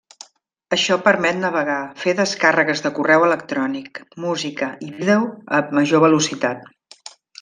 Això permet navegar, fer descàrregues de correu electrònic, música i vídeo a major velocitat.